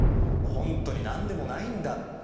ホントになんでもないんだって。